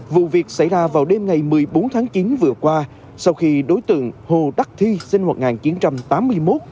vụ việc xảy ra vào đêm ngày một mươi bốn tháng chín vừa qua sau khi đối tượng hồ đắc thi sinh năm một nghìn chín trăm tám mươi một